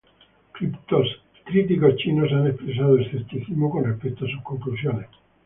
Críticos chinos han expresado escepticismo con respecto a sus conclusiones.